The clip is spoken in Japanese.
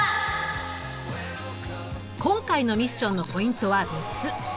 今回のミッションのポイントは３つ。